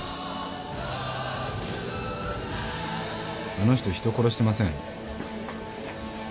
あの人人殺してません？